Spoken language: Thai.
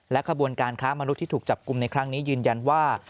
ขบวนการค้ามนุษย์ที่ถูกจับกลุ่มในครั้งนี้ยืนยันว่า